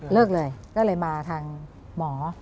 เลิกเลยก็เลยมาทางหมอ